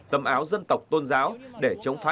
tâm áo dân tộc tôn giáo để chống phá